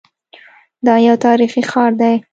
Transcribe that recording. دا یو تاریخي ښار دی.